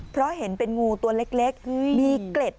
เพราะเห็นเป็นงูตัวเล็กมีเกล็ด